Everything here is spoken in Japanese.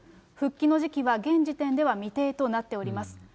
復帰の時期は現時点では未定となっております。